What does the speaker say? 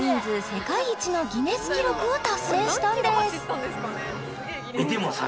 世界一のギネス記録を達成したんですでもさ